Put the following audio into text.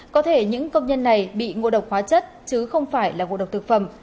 có thể những công nhân này bị ngộ độc hóa chất chứ không phải là ngộ độc thực phẩm